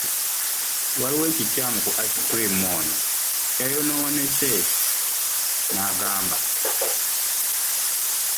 Waliwo ekikyamu ku ice cream ono, yayonoonese, n'agamba.